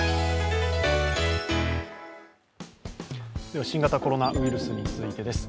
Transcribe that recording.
では新型コロナウイルスについてです。